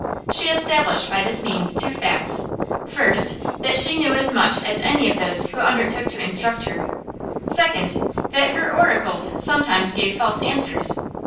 She established by this means two facts: first, that she knew as much as any of those who undertook to instruct her; second, that her oracles sometimes gave false answers.